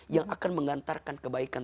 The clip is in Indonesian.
yang akan menggantarkan kebaikan